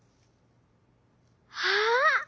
ああ！